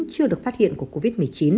chưa được phát hiện của covid một mươi chín